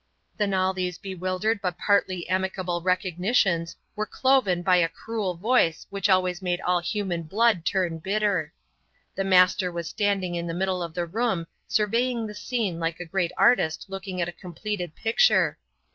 Then all these bewildered but partly amicable recognitions were cloven by a cruel voice which always made all human blood turn bitter. The Master was standing in the middle of the room surveying the scene like a great artist looking at a completed picture.